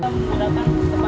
menggunakan tempat sampah